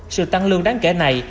sự tăng lương đáng kể này